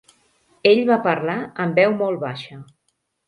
Ell va parlar en veu molt baixa.